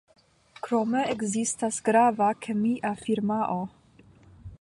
Krome ekzistas grava kemia firmao.